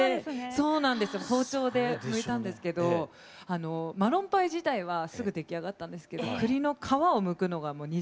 そうなんです包丁でむいたんですけどマロンパイ自体はすぐ出来上がったんですけど栗の皮をむくのが２時間ぐらいかかりました。